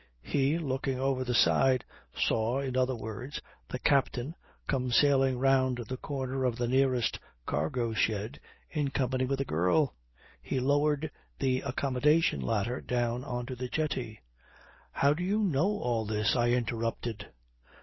He, looking over the side, saw, in his own words, 'the captain come sailing round the corner of the nearest cargo shed, in company with a girl.' He lowered the accommodation ladder down on to the jetty ..." "How do you know all this?" I interrupted.